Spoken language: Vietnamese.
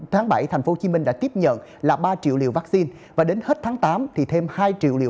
tháng bảy năm hai nghìn thành phố hồ chí minh đã tiếp nhận là ba triệu liều vaccine và đến hết tháng tám thì thêm hai triệu liều